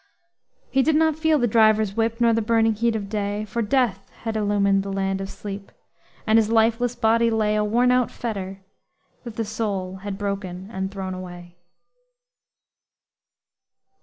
He did not feel the driver's whip, Nor the burning heat of day; For Death had illumined the Land of Sleep, And his lifeless body lay A worn out fetter, that the soul Had broken and thrown away!